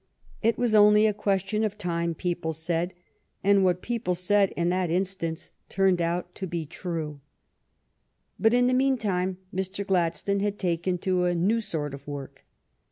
It was only a question of time, people said, and what people said in that instance turned out to be true. 64 THE STORY OF GLADSTONE'S LIFE But in the meantime Mr. Gladstone had taken to a new sort of work.